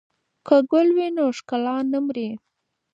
که ګل وي نو ښکلا نه مري.